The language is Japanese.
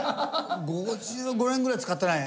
５５年ぐらい使ってないね。